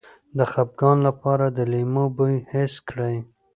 د خپګان لپاره د لیمو بوی حس کړئ